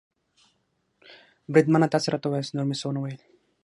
بریدمنه، تاسې راته ووایاست، نور مې څه و نه ویل.